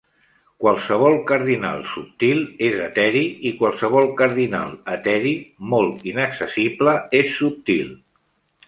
Qualsevol cardinal subtil és eteri i qualsevol cardinal eteri molt inaccessible és subtil.